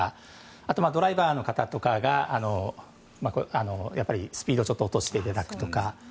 あとはドライバーの方にはスピードを落としていただくとか。